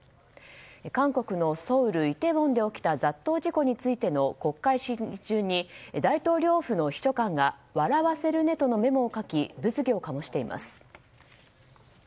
韓国のソウル・イテウォンで起きた雑踏事故についての国会審議中に大統領府の秘書官が「笑わせるね」とのメモを書き物議を醸しています。